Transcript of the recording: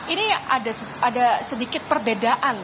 ini ada sedikit perbedaan